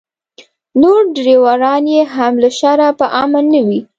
نور ډریوران یې هم له شره په امن نه وي.